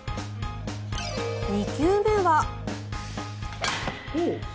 ２球目は。